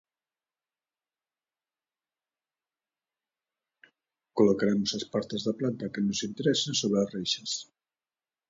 Colocaremos as partes da planta que nos interesen sobre as reixas.